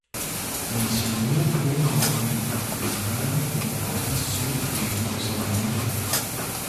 mzimu kung balay magan pin’aras su biru soni